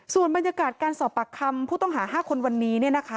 ส่วนบรรยากาศการสอบปากคำผู้ต้องหา๕คนวันนี้